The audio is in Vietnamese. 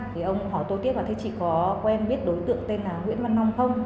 thì ông hỏi tôi tiếp và thế chị có quen biết đối tượng tên là nguyễn văn long không